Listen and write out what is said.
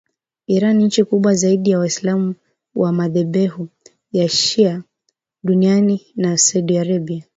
Iran nchi kubwa zaidi ya waislamu wa madhehebu ya shia duniani na Saudi Arabia